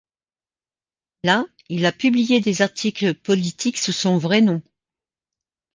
Là, il a publié des articles politiques sous son vrai nom.